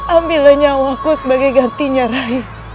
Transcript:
ambil nyawa aku sebagai gantinya rai